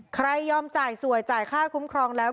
ยอมจ่ายสวยจ่ายค่าคุ้มครองแล้ว